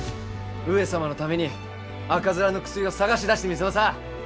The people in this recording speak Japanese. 上様のために赤面の薬を探し出してみせまさぁ！